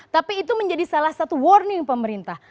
tapi itu menjadi salah satu warning pemerintah